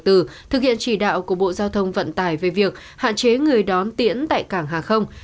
thực hiện chỉ đạo của bộ giao thông vận tải về việc hạn chế người đón tiễn tại cảng hàng không